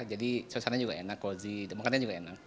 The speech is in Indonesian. jadi suasana juga enak cozy makannya juga enak